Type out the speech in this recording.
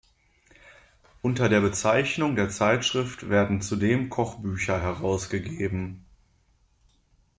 Unter der Bezeichnung der Zeitschrift werden zudem Kochbücher herausgegeben.